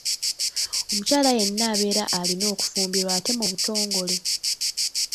Omukyala yenna abeera alina okufumbirwa ate mu butongole.